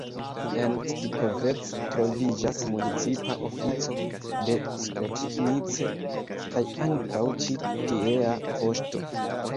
En Stikovec troviĝas municipa ofico de Skotnice kaj ankaŭ ĉi tiea poŝto.